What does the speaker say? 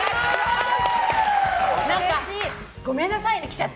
ごめんなさいね、来ちゃって。